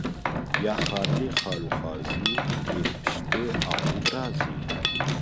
Ya xwarinê xal û xwarzî, yê piştê ap û birazî